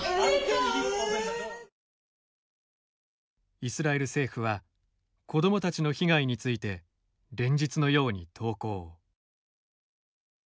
イスラエル政府は子どもたちの被害について連日のように投稿。